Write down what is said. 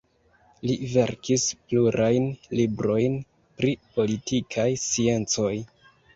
Li verkis plurajn librojn pri politikaj sciencoj.